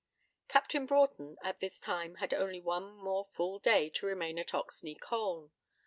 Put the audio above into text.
Captain Broughton at this time had only one more full day to remain at Oxney Colne.